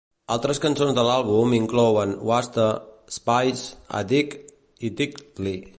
Altres cançons de l'àlbum inclouen "Waste", "Spies", "Addict" i "Tightly".